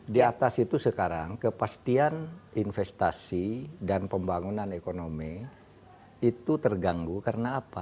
di atas itu sekarang kepastian investasi dan pembangunan ekonomi itu terganggu karena apa